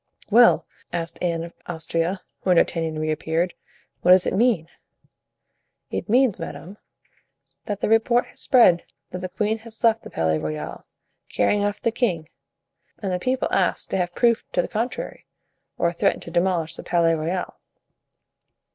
"Well," asked Anne of Austria, when D'Artagnan reappeared, "what does it mean?" "It means, madame, that the report has spread that the queen has left the Palais Royal, carrying off the king, and the people ask to have proof to the contrary, or threaten to demolish the Palais Royal."